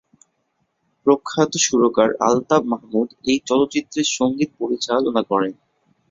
প্রখ্যাত সুরকার আলতাফ মাহমুদ এই চলচ্চিত্রের সঙ্গীত পরিচালনা করেন।